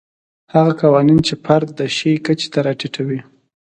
هغه قوانین چې فرد د شي کچې ته راټیټوي.